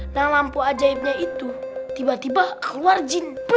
nah lampu ajaibnya itu tiba tiba keluar jin